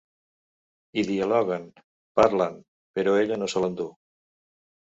Hi dialoga, parlen, però ella no se l’endú.